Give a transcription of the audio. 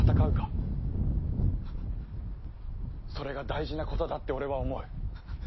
それが大事なことだって俺は思う。